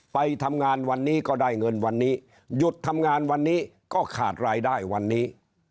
ไปทำงานวันนี้ก็ได้เงินวันนี้หยุดทำงานวันนี้ก็ขาดรายได้วันนี้